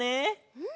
うん。